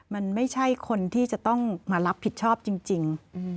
มันไม่ใช่คนที่จะต้องมารับผิดชอบจริง